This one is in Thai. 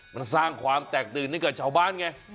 มันสร้างความแตกตื่นให้กับชาวบ้านไง